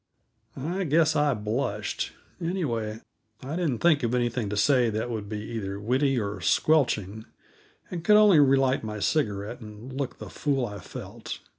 I guess I blushed. Anyway, I didn't think of anything to say that would be either witty or squelching, and could only relight my cigarette and look the fool I felt.